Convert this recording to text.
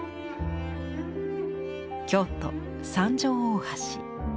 京都三条大橋。